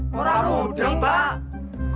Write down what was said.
warung udeng pak